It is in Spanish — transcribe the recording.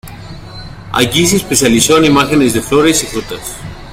Allí se especializó en imágenes de flores y frutas.